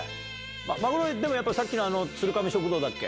マグロ、やっぱり、さっきの鶴亀食堂だっけ？